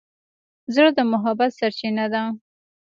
زړه د محبت سرچینه ده.